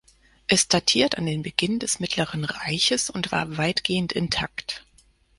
Es datiert an den Beginn des Mittleren Reiches und war weitgehend intakt.